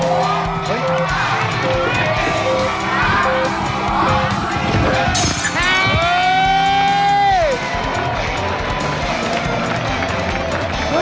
มาแล้ว